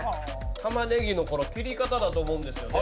玉ねぎのこの切り方だと思うんですよね。